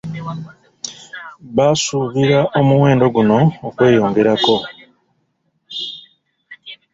Basuubira omuwendo guno okweyongerako.